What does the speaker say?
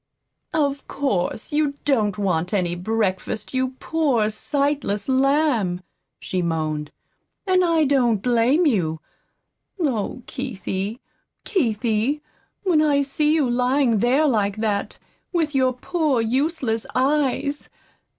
"Of course, you don't want any breakfast, you poor, sightless lamb," she moaned. "And I don't blame you. Oh, Keithie, Keithie, when I see you lying there like that, with your poor useless eyes